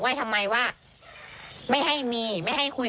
แม่คนที่ตายก็ไม่มีใครเชื่อหรอก